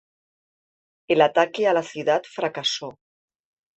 El ataque a la ciudad fracasó.